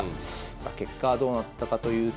さあ結果はどうなったかというと。